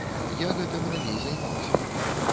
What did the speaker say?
Я гэтым раней займаўся.